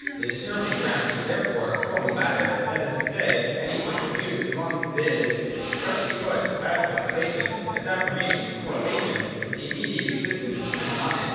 The determinate ground is therefore a formal matter : that is to say, any point will do, so long as it is expressly put as self relation, as affirmation, in correlation with the immediate existence depending on it.